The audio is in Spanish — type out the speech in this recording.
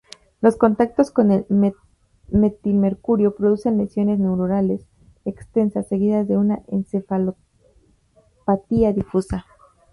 Los contactos con el metilmercurio producen lesiones neuronales extensas seguidas de una encefalopatía difusa.